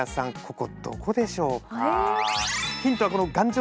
ここどこでしょうか？